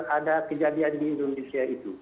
ada kejadian di indonesia itu